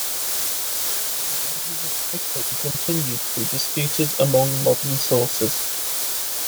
The dangers of cycling continue to be disputed among modern sources.